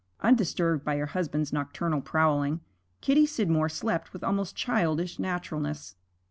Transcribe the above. Undisturbed by her husband's nocturnal prowling, Kitty Scidmore slept with almost childish naturalness.